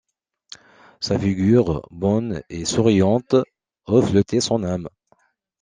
Sa figure, bonne et souriante, reflétait son âme.